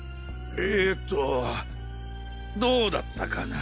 えとぉどうだったかな？